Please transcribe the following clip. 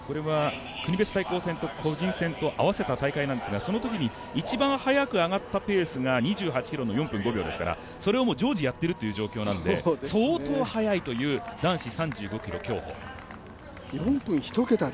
国別対抗戦と個人戦を合わせた大会なんですがそのときに一番速く上がったペースが２８ｋｍの４分５秒ですからそれを常時やっているというそんなに差がないということになるんですか。